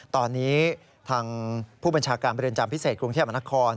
ตอนนี้ทางผู้บัญชาการเรือนจำพิเศษกรุงเทพมนคร